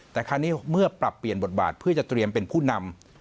แต่คราวนี้เมื่อปรับเปลี่ยนบทบาทเพื่อจะเตรียมเป็นผู้นำ